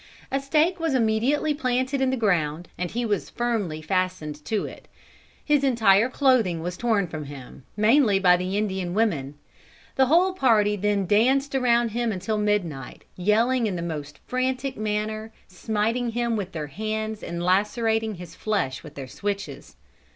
A stake was immediately planted in the ground, and he was firmly fastened to it. His entire clothing was torn from him, mainly by the Indian women. The whole party then danced around him until midnight, yelling in the most frantic manner, smiting him with their hands and lacerating his flesh with their switches.